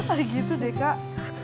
aduh gitu deh kak